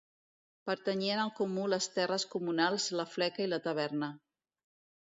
Pertanyien al Comú les terres comunals, la fleca i la taverna.